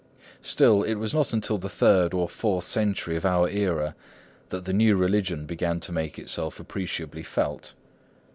Still, it was not until the third or fourth century of our era that the new religion began to make itself appreciably felt.